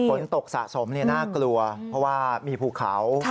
ฝนตกสะสมน่ากลัวเพราะว่ามีภูเขา